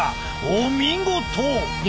お見事！